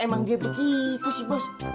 emang dia begitu sih bos